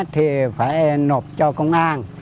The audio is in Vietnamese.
thì phải nộp cho công an